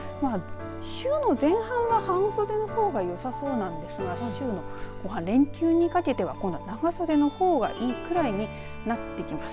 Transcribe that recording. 週の前半は半袖の方がよさそうなんですが週の後半連休にかけては長袖のほうがいいくらいになってきます。